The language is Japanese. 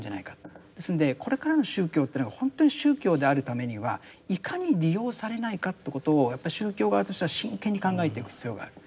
ですんでこれからの宗教というのが本当に宗教であるためにはいかに利用されないかってことをやっぱり宗教側としては真剣に考えていく必要がある。